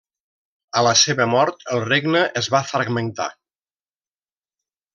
A la seva mort el regne es va fragmentar.